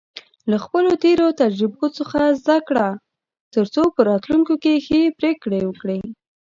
له خپلو تېرو تجربو څخه زده کړه، ترڅو په راتلونکي کې ښه پریکړې وکړې.